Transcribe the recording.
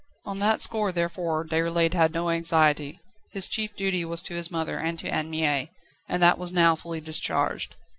On that score, therefore, Déroulède had no anxiety. His chief duty was to his mother and to Anne Mie, and that was now fully discharged.